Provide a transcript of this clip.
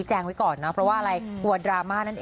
ใช่ค่ะ